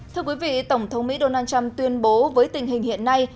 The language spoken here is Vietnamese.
thưa quý vị tổng thống mỹ donald trump tuyên bố với tình hình hiện nay